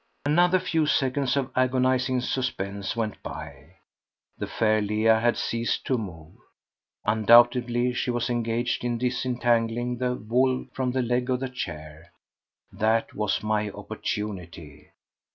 Another few seconds of agonising suspense went by. The fair Leah had ceased to move. Undoubtedly she was engaged in disentangling the wool from the leg of the chair. That was my opportunity.